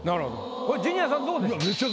これジュニアさんどうでしょう？